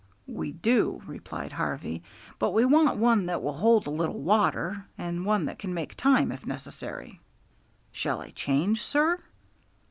"We do," replied Harvey; "but we want one that will hold a little water, and one that can make time if necessary." "Shall I change, sir?"